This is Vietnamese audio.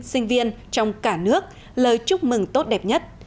sinh viên trong cả nước lời chúc mừng tốt đẹp nhất